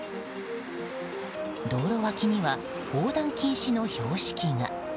道路脇には横断禁止の標識が。